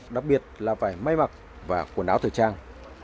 đặc biệt là vải may mặc và quần áo thời trang